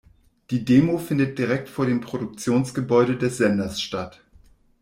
Die Demo findet direkt vor dem Produktionsgebäude des Senders statt.